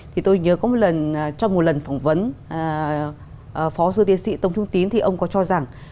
thì tôi nhớ có một lần trong một lần phỏng vấn phó sư tiến sĩ tông trung tín thì ông có cho rằng